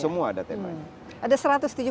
semua ada temanya